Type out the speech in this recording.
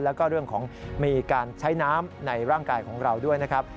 แล้วก็เรื่องของมีการใช้น้ำในร่างกายของเราด้วยนะครับ